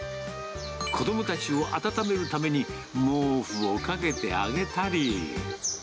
子どもたちを温めるために、毛布をかけてあげたり。